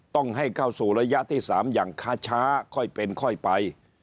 ต้องให้เข้าสู่ระยะที่๓อย่างค้าช้าค่อยเป็นค่อยไป